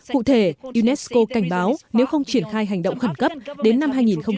cụ thể unesco cảnh báo nếu không triển khai hành động khẩn cấp đến năm hai nghìn hai mươi